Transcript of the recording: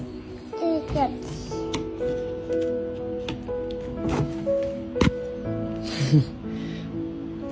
จาก